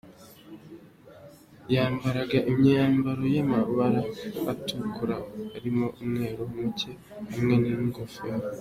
Yambaraga imyambaro y’amabara atukura arimo umweru muke, hamwe n’ingofero.